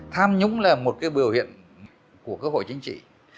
tham nhũng là một biểu hiện của cơ hội chính trị